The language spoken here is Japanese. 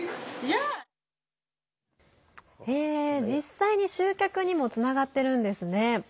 実際に集客にもつながってるんですね。